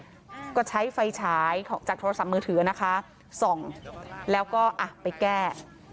แล้วก็ใช้ไฟฉายจากโทรศัพท์มือถือนะคะส่องแล้วก็อ่ะไปแก้